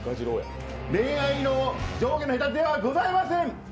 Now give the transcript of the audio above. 恋愛に上下の隔てはございません。